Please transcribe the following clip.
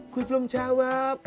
gue belum jawab